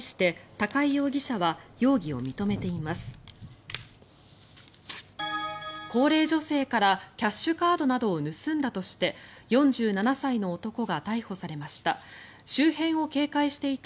高齢女性からキャッシュカードなどを盗んだとして４７歳の男が逮捕されました。